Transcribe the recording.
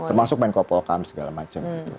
termasuk menko polkam segala macam